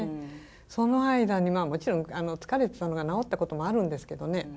その間にもちろん疲れてたのが治ったこともあるんですけどね。